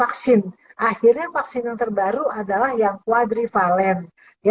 akhirnya vaksin yang terbaru adalah yang quadrivalent